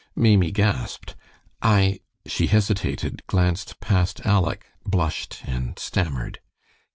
Maimie gasped. "I " she hesitated, glanced past Aleck, blushed, and stammered.